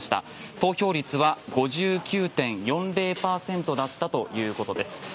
投票率は５９．４０％だったということです。